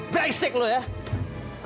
beresik lu ya